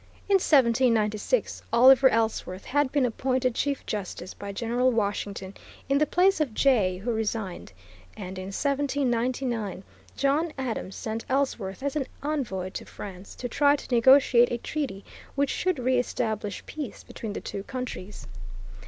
In 1796 Oliver Ellsworth had been appointed Chief Justice by General Washington in the place of Jay, who resigned, and in 1799 John Adams sent Ellsworth as an envoy to France to try to negotiate a treaty which should reëstablish peace between the two countries.